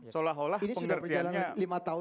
seolah olah pengertiannya para militer